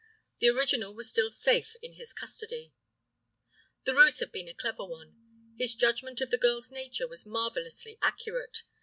The original was still safe in his custody. This ruse had been a clever one. His judgment of the girl's nature was marvelously accurate.